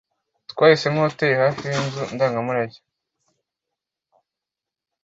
Twahisemo hoteri hafi yinzu ndangamurage.